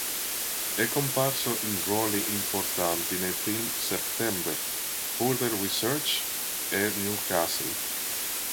È comparso in ruoli importanti nei film "September", "Further We Search", e "Newcastle".